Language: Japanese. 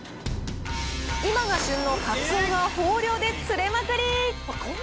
今が旬のカツオが豊漁で釣れまくり。